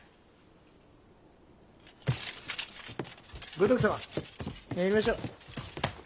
五徳様参りましょう。